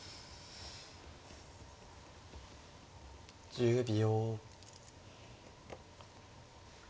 １０秒。